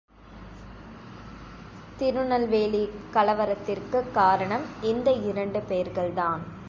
திருநெல்வேலி கலவரத்திற்குக் காரணம் இந்த இரண்டு பேர்கள்தான்.